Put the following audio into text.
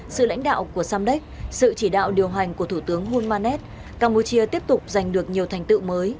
sự lãnh đạo của samdek sự chỉ đạo điều hành của thủ tướng hulmanet campuchia tiếp tục giành được nhiều thành tựu mới